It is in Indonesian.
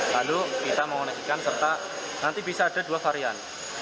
lalu kita mengoneksikan serta nanti bisa ada dua varian